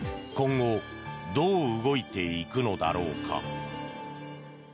今後どう動いていくのだろうか。